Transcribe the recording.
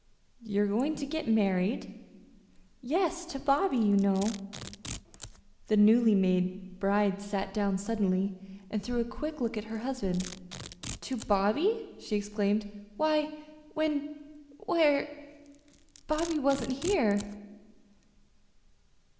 "You're going to get married!" "Yes; to Bobby, you know." The newly made bride sat down suddenly, and threw a quick look at her husband. "To Bobby!" she exclaimed. "Why, when where Bobby wasn't here."